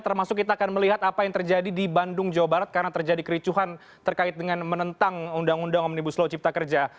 termasuk kita akan melihat apa yang terjadi di bandung jawa barat karena terjadi kericuhan terkait dengan menentang undang undang omnibus law cipta kerja